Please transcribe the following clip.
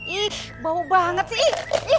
ih bau banget sih